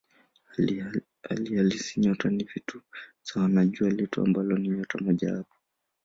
Hali halisi nyota ni vitu sawa na Jua letu ambalo ni nyota mojawapo.